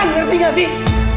ngerti gak sih